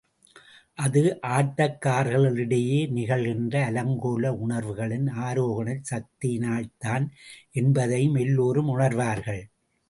அது ஆட்டக்காரர்களுக்கிடையே நிகழ்கின்ற அலங்கோல உணர்வுகளின் ஆரோகணச் சக்தியினால்தான் என்பதையும் எல்லோரும் உணர்வார்கள்.